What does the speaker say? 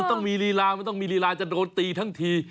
ต้องมีลีลามันต้องมีลีลาจะโดนตีทั้งที